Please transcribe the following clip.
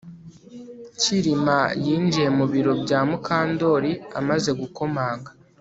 Kirima yinjiye mu biro bya Mukandoli amaze gukomanga